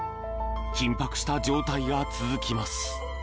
緊迫した状態が続きます。